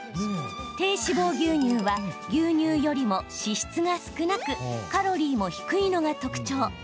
低脂肪牛乳は牛乳よりも脂質が少なくカロリーも低いのが特徴。